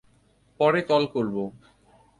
পরে কল করবো।